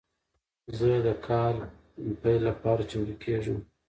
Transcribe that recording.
زه د کال پیل لپاره چمتو کیږم.